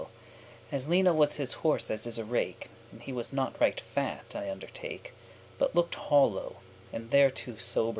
*devoted himself As leane was his horse as is a rake, And he was not right fat, I undertake; But looked hollow*, and thereto soberly.